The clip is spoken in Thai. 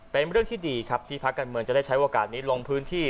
เป็นเรื่องที่ดีครับที่พักการเมืองจะได้ใช้โอกาสนี้ลงพื้นที่